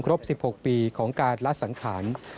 ครบ๑๖ปีของการละสังขาร